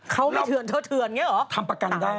เขาไม่เถื่อนเธอเถื่อนไงหรอ